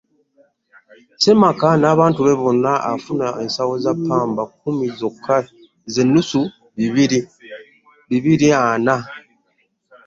Semaka n'abantu be bonna afuna ensawo za Pamba kkumi zokka ze nnusu bibiri ana.